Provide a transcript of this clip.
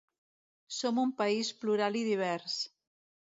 Som un país plural i divers.